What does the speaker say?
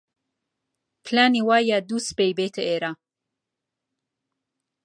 پلانی وایە دووسبەی بێتە ئێرە.